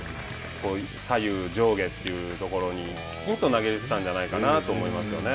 左右上下というところにきちんと投げれたんじゃないかなと思いますよね。